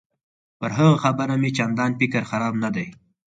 پر هغه خبره مې چندان فکر خراب نه دی.